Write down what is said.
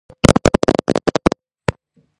ამგვარი ინტერპრეტაცია ავტორს საფრთხეს თავიდან აშორებს.